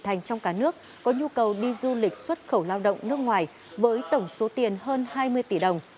thành trong cả nước có nhu cầu đi du lịch xuất khẩu lao động nước ngoài với tổng số tiền hơn hai mươi tỷ đồng